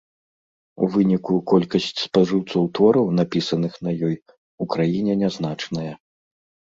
У выніку колькасць спажыўцоў твораў, напісаных на ёй, у краіне нязначная.